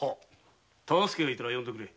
大岡がいたら呼んでくれ。